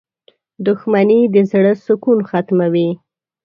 • دښمني د زړۀ سکون ختموي.